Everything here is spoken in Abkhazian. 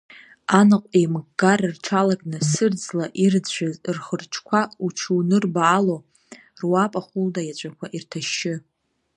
Анаҟә еимыггара рҽалакны, сырӡла ирыӡәӡәаз рхы-рҿқәа уҽырнубаало руапа-хәылда иаҵәақәа ирҭашьшьы.